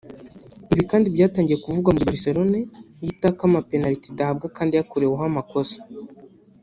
Ibi kandi byatangiye kuvugwa mugihe Barcelone yo itaka amapenaliti idahabwa kandi yakoreweho amakosa